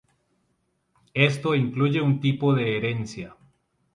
Esto incluye un tipo de herencia.